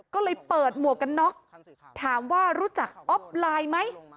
ก็เลยเปิดหมวกกันน็อกถามว่ารู้จักอ๊อฟไลน์ไหม